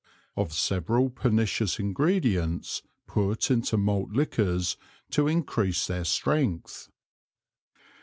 Of several pernicious Ingredients put into Malt Liquors to encrease their Strength.